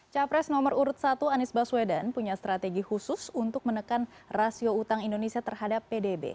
capres nomor urut satu anies baswedan punya strategi khusus untuk menekan rasio utang indonesia terhadap pdb